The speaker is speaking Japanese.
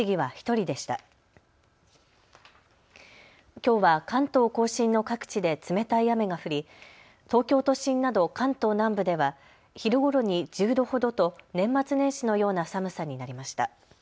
きょうは関東甲信の各地で冷たい雨が降り東京都心など関東南部では昼ごろに１０度ほどと年末年始のような寒さになりました。